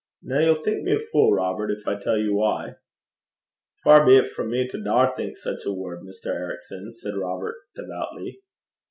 'Now you'll think me a fool, Robert, if I tell you why.' 'Far be it frae me to daur think sic a word, Mr. Ericson!' said Robert devoutly.